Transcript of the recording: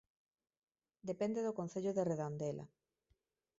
Depende do Concello de Redondela